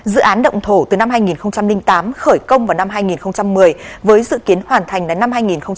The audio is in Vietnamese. dự án động thổ từ năm hai nghìn tám khởi công vào năm hai nghìn một mươi với dự kiến hoàn thành đến năm hai nghìn hai mươi